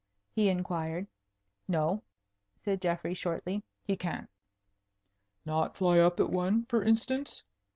he inquired. "No," said Geoffrey shortly; "he can't." "Not fly up at one, for instance?"